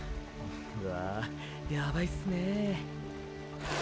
うわやばいっすね。